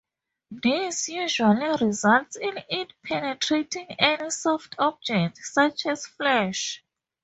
This usually results in it penetrating any soft object, such as flesh.